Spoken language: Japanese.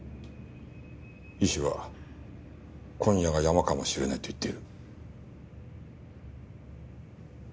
医師は今夜が山かもしれないと言っている。